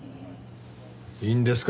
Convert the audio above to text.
いいんですか？